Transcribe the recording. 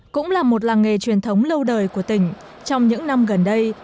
cũng là một làng nghề truyền thống lâu đời của tỉnh trong những năm gần đây